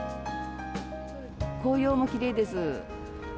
紅葉がきれいです。